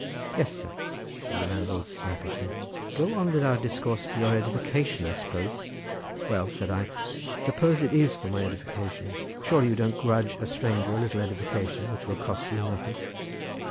"Yes, sir," said the landlord snappishly, "go on with our discourse; for your edification, I suppose?" "Well," said I, "suppose it is for my edification, surely you don't grudge a stranger a little edification which will cost you nothing?"